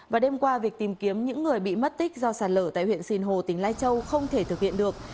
và đêm qua việc tìm kiếm những người bị mất tích do sạt lở tại huyện sinh hồ tỉnh lai châu không thể thực hiện được